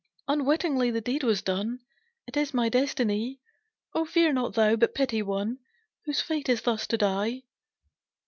"Unwittingly the deed was done; It is my destiny, O fear not thou, but pity one Whose fate is thus to die.